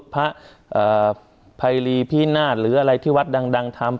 ภัยรีพินาศหรืออะไรที่วัดดังทำ